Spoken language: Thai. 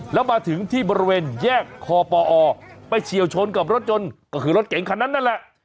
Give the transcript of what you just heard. แล้วมาถึงที่บริเวณแยกคอปอไปเฉียวชนกับรถยนต์ก็คือรถเก๋งคันนั้นนั่นแหละ